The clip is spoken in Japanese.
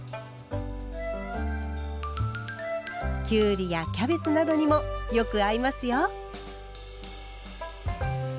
きゅうりやキャベツなどにもよく合いますよ。